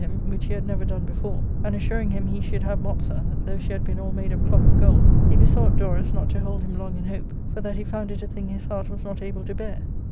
him, which he had never done before, and assuring him he should have Mopsa, though she had been all made of cloth of gold, he besought Dorus not to hold him long in hope, for that he found it a thing his heart was not able to bear.